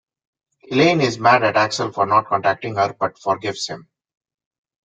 Elaine is mad at Axel for not contacting her but forgives him.